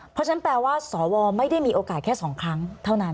เพราะฉะนั้นแปลว่าสวไม่ได้มีโอกาสแค่๒ครั้งเท่านั้น